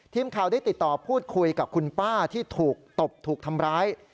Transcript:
ทีมข่าวได้ติดต่อพูดคุยกับคุณป้าที่ถูกตบถูกทำร้าย